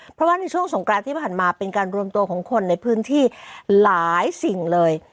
เพราะว่าในช่วงสงกรานที่ผ่านมาเป็นการรวมตัวของคนในพื้นที่หลายสิ่งเลย